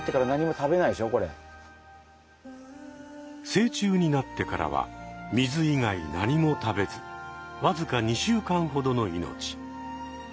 成虫になってからは水以外何も食べずわずか２週間ほどの命。